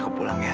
aku pulang ya